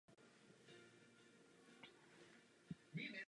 Už za první republiky byl představitelem komunistických učitelských odborů.